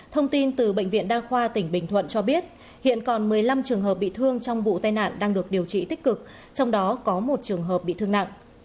thông tin từ bệnh viện đa khoa tỉnh bình thuận cho biết hiện còn một mươi năm trường hợp bị thương trong vụ tai nạn đang được điều trị tích cực trong đó có một trường hợp bị thương nặng